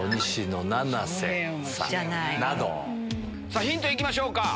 さぁヒント行きましょうか。